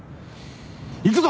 行くぞ！